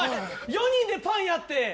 ４人でパン屋って。